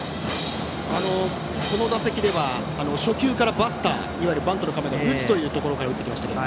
この打席では初球からバスター、いわゆるバントの構えから打つというところから打ってきましたけど。